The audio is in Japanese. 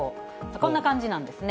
こんな感じなんですね。